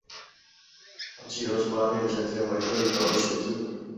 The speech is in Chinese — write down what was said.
康熙二十八年升迁为内阁学士。